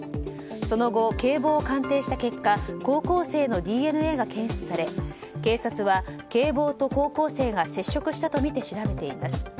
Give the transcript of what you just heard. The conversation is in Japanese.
その後、警棒を鑑定した結果高校生のＤＮＡが検出され、警察は警棒と高校生が接触したとみて調べています。